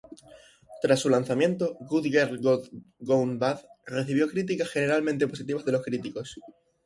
Tras su lanzamiento, "Good Girl Gone Bad" recibió críticas generalmente positivas de los críticos.